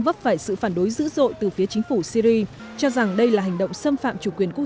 vấp phải sự phản đối dữ dội từ phía chính phủ syri cho rằng đây là hành động xâm phạm chủ quyền quốc